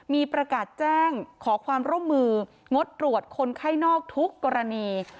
มีประกาศแจ้งขอความร่วมมืองดตรวจคนไข้นอกทุกกรณี